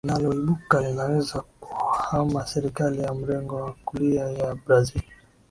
linaloibuka linaweza kuhama serikali ya mrengo wa kulia ya Brazil